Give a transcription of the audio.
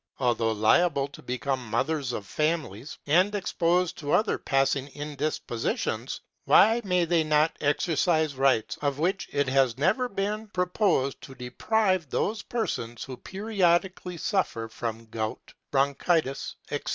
Although liable to become mothers of families, and exposed to other passing indispositions, why may they not exercise rights of which it has never been proposed to deprive those persons who periodically suffer from gout, bronchitis, etc.?